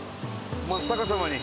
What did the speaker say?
真っ逆さまに。